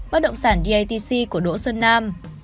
bác động sản datc của đỗ xuân nam